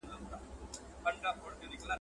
پر ژور لاښ چي دي یو ځل تېرېده دي